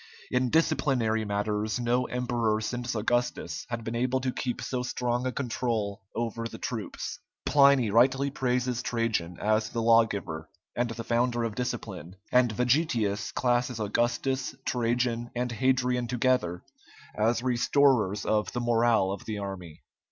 In disciplinary matters no emperor since Augustus had been able to keep so strong a control over the troops. Pliny rightly praises Trajan as the lawgiver and the founder of discipline, and Vegetius classes Augustus, Trajan, and Hadrian together as restorers of the morale of the army.